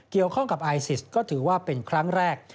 เกี่ยวข้องกับไอซิสก็ถือว่าเป็นครั้งแรก